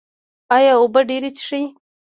ایا اوبه به ډیرې څښئ؟